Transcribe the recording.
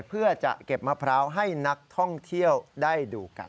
เพื่อจะเก็บมะพร้าวให้นักท่องเที่ยวได้ดูกัน